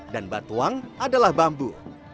dan batuang adalah bambu